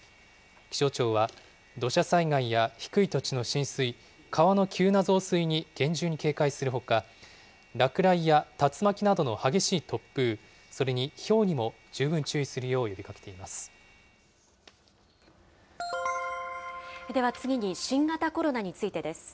気象庁は土砂災害や低い土地の浸水、川の急な増水に厳重に警戒するほか、落雷や竜巻などの激しい突風、それにひょうにも十分注意するようでは次に、新型コロナについてです。